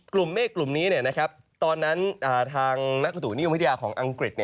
กลุ่มเมฆกลุ่มนี้ตอนนั้นทางนักตุตุนิยมวิทยาของอังกฤษ